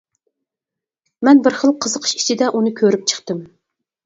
مەن بىر خىل قىزىقىش ئىچىدە ئۇنى كۆرۈپ چىقتىم.